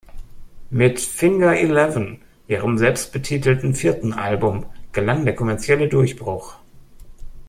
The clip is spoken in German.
Mit "Finger Eleven", ihrem selbstbetitelten vierten Album, gelang der kommerzielle Durchbruch.